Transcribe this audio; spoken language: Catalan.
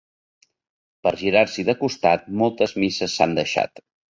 Per girar-s'hi de costat, moltes misses s'han deixat.